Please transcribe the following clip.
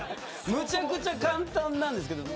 むちゃくちゃ簡単なんですけど。